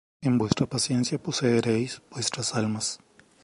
En vuestra paciencia poseeréis vuestras almas.